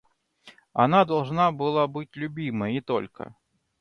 Она должна была быть любима и только.